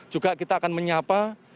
juga kita akan menyapa